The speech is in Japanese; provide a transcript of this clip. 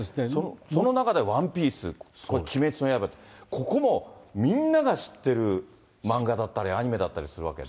その中でワンピース、鬼滅の刃、ここもみんなが知ってる漫画だったりアニメだったりするわけで。